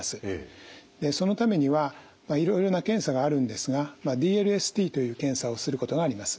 そのためにはいろいろな検査があるんですがＤＬＳＴという検査をすることがあります。